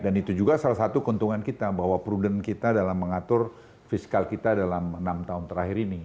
dan itu juga salah satu keuntungan kita bahwa prudent kita dalam mengatur fiskal kita dalam enam tahun terakhir ini